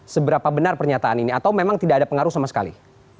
seberapa benar pernyataan ini atau memang tidak ada pengaruh sama sekali